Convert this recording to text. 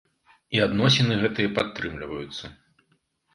І адносіны гэтыя падтрымліваюцца.